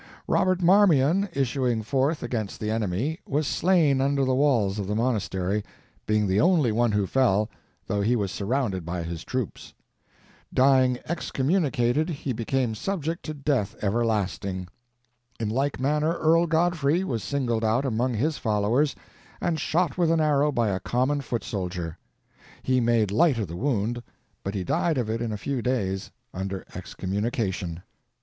Robert Marmion, issuing forth against the enemy, was slain under the walls of the monastery, being the only one who fell, though he was surrounded by his troops. Dying excommunicated, he became subject to death everlasting. In like manner Earl Godfrey was singled out among his followers, and shot with an arrow by a common foot soldier. He made light of the wound, but he died of it in a few days, under excommunication.